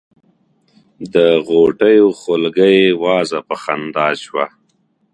د غوټیو خولګۍ وازه په خندا شوه.